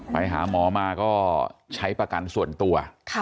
ไปหาหมอมาก็ใช้ประกันส่วนตัว